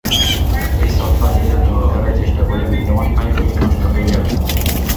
এই সফ্টওয়্যার দিয়ে পুনরুদ্ধারের চেষ্টা করলে বিদ্যমান ফাইলগুলিও নষ্ট হয়ে যাবে।